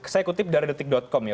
saya kutip dari detik com ya